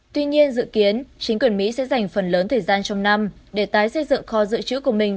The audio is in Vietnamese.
tuy nhiên dự kiến chính quyền mỹ sẽ dành phần lớn thời gian trong năm để tái xây dựng kho dự trữ của mình